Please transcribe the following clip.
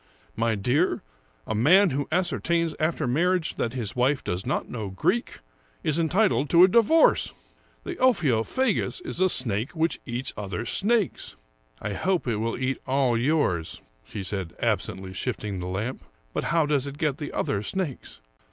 jMy dear, a man who ascertains after marriage that his wife does not know Greek, is entitled to a divorce. The Ophio phagus is a snake which eats other snakes." " I hope it will eat all yours," she said, absently shifting the lamp. "But how does it get the other snakes?